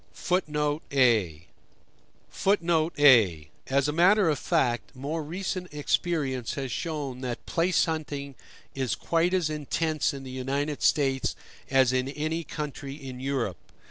*a [Footnote a: As a matter of fact, more recent experience has shown that place hunting is quite as intense in the United States as in any country in Europe.